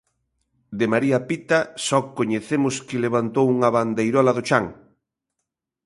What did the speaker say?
De María Pita só coñecemos que levantou unha bandeirola do chan.